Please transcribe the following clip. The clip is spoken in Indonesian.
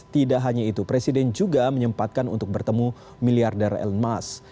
tidak hanya itu presiden juga menyempatkan untuk bertemu miliarder elon musk